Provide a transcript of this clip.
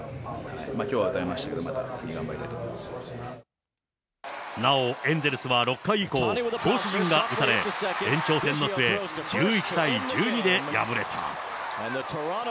きょうは打たれましたけど、またなお、エンゼルスは６回以降、投手陣が打たれ、延長戦の末、１１対１２で敗れた。